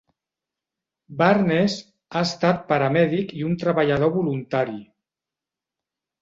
Barnes ha estat paramèdic i un treballador voluntari.